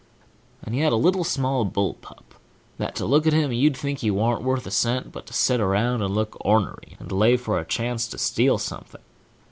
div> And he had a little small bull pup, that to look at him you'd think he wan't worth a cent, but to set around and look ornery, and lay for a chance to steal something.